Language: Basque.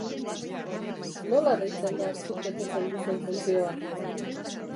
Nola deitzen da zuk betetzen duzun funtzioa?